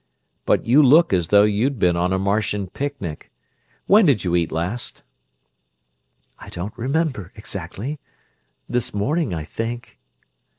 "But you look as though you'd been on a Martian picnic. When did you eat last?" "I don't remember, exactly. This morning, I think."